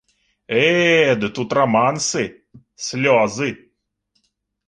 Э, ды тут рамансы, слёзы.